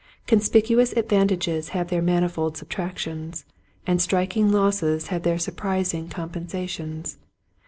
Conspicuous advantages have their manifold subtractions, and striking losses have their surprising compensations.